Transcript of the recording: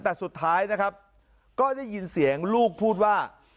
แต่สุดท้ายนะครับก็ได้ยินเสียงลูกพูดว่า